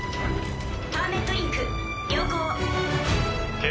パーメットリンク良好。